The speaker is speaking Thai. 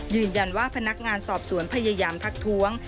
ยืนยันว่าพนักงานสอบสวนพยายามทักท้วง